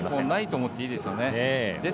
ないと思っていいですね。